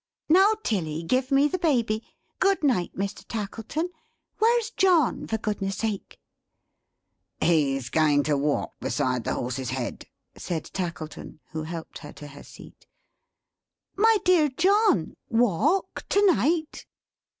"Now Tilly, give me the Baby. Good night, Mr. Tackleton. Where's John, for Goodness' sake?" "He's going to walk, beside the horse's head," said Tackleton; who helped her to her seat. "My dear John. Walk? To night?"